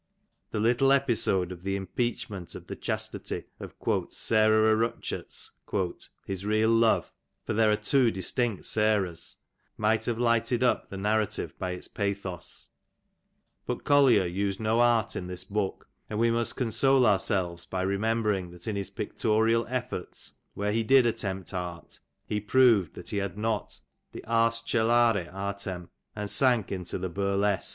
The little episode of the im peachment of the chastity of " Seroh o Rutchot's," his real love, for there are too distinct " Serohs,'' might have lighted up the narrative by its pathos; but Collier used no art in this book, and we must console ourselves by remembering that in his pictorial efforts, where he did attempt art, he proved he had not the arg celare artem^ and sank into the burlesque.